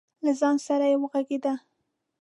له ځان سره یې وغږېده.